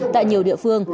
tại nhiều địa phương